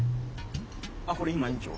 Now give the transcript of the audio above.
あっこれ今園長。